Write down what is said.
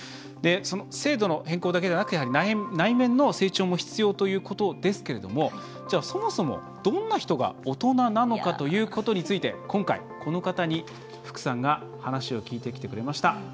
その制度の変更だけじゃなくやはり内面の成長も必要ということですけれどもそもそも、どんな人が大人なのかということについて今回、この方に福さんが話を聞いてきてくれました。